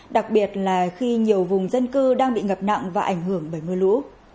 đặc biệt là khi nhiều vùng dân cư đang bị ngập nặng và ảnh hưởng bởi mưa lũ